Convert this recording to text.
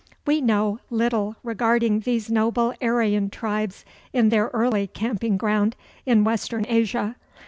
We know little regarding these noble Aryan tribes in their early camping ground in Western Asia.